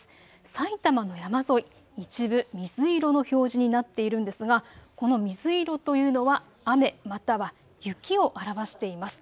埼玉の山沿い、一部水色の表示になっているんですがこの水色というのは雨または雪を表しています。